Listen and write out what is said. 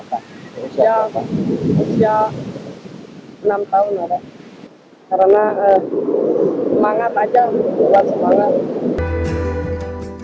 usia enam tahun karena semangat aja